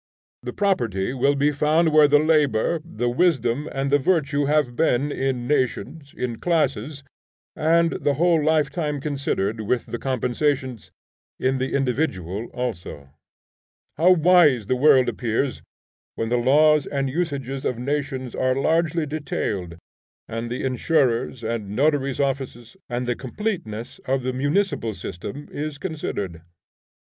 The property will be found where the labor, the wisdom, and the virtue have been in nations, in classes, and (the whole life time considered, with the compensations) in the individual also. How wise the world appears, when the laws and usages of nations are largely detailed, and the completeness of the municipal system is considered!